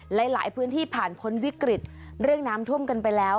หลายพื้นที่ผ่านพ้นวิกฤตเรื่องน้ำท่วมกันไปแล้ว